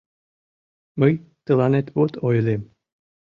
Мый тыланет вот ойлем